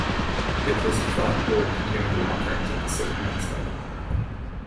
They place a flat bowl containing the offerings at the sick man's head.